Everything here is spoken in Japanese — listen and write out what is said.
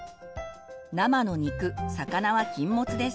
生の肉魚は禁物です。